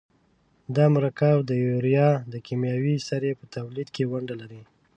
دا مرکب د یوریا د کیمیاوي سرې په تولید کې ونډه لري.